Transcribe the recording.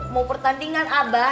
mau pertandingan abah